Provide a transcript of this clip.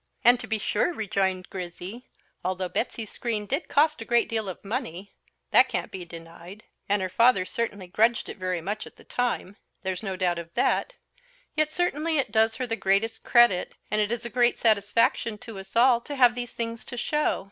"And, to be sure," rejoined Grizzy, "although Betsy's screen did cost a great deal of money that can't be denied; and her father certainly grudged it very much at the time there's no doubt of that; yet certainly it does her the greatest credit, and it is a great satisfaction to us all to have these things to show.